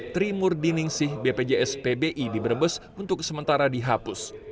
trimur diningsih bpjs pbi di brebes untuk sementara dihapus